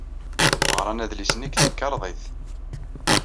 Ɣran adlis-nni deg temkarḍit.